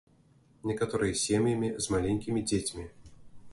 Некаторыя сем'ямі з маленькімі дзецьмі.